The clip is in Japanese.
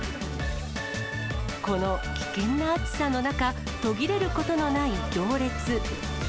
この危険な暑さの中、途切れることのない行列。